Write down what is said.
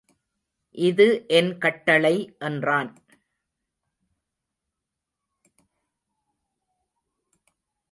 இது என் கட்டளை என்றான்.